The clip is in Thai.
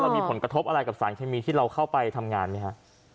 มีผลกระทบอะไรกับสารเคมีที่เราเข้าไปทำงานไหมฮะ